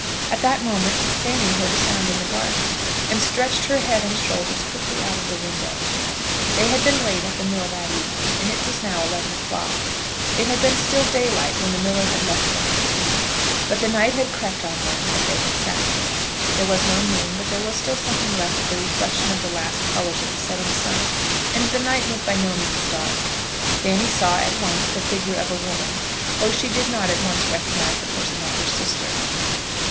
At that moment Fanny heard a sound in the garden, and stretched her head and shoulders quickly out of the window. They had been late at the mill that evening, and it was now eleven o'clock. It had been still daylight when the miller had left them at tea; but the night had crept on them as they had sat there. There was no moon, but there was still something left of the reflection of the last colours of the setting sun, and the night was by no means dark. Fanny saw at once the figure of a woman, though she did not at once recognise the person of her sister.